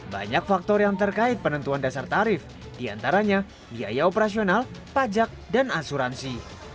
banyak faktor yang terkait penentuan dasar tarif diantaranya biaya operasional pajak dan asuransi